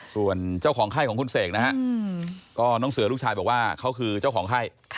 ส่วนเจ้าของไข้ของคุณเสกนะฮะก็น้องเสือลูกชายบอกว่าเขาคือเจ้าของไข้